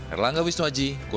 erlangga wisnuaji kusuma